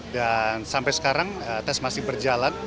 dan sampai sekarang tes masih berjalan